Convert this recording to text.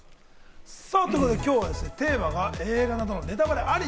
きょうはテーマが映画などのネタバレは、あり？